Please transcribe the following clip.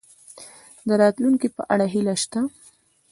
د راتلونکي په اړه هیله شته؟